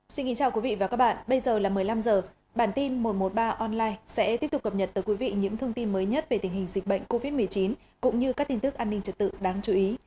xin kính chào quý vị và các bạn bây giờ là một mươi năm h bản tin một trăm một mươi ba online sẽ tiếp tục cập nhật tới quý vị những thông tin mới nhất về tình hình dịch bệnh covid một mươi chín cũng như các tin tức an ninh trật tự đáng chú ý